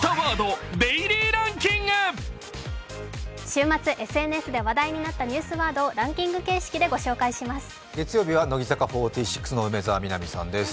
週末ＳＮＳで話題になったニュースワードをランキング形式でご紹介します。